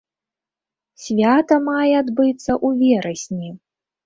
Свята мае адбыцца ў верасні.